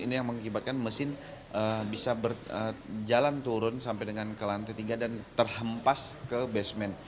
ini yang mengakibatkan mesin bisa berjalan turun sampai dengan ke lantai tiga dan terhempas ke basement